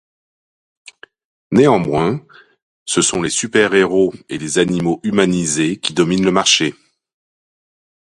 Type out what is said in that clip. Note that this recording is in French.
Néanmoins, ce sont les super-héros et les animaux humanisés qui dominent le marché.